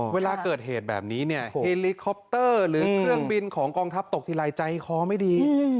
เวลาเกิดเหตุแบบนี้เนี่ยเฮลิคอปเตอร์หรือเครื่องบินของกองทัพตกทีไรใจคอไม่ดี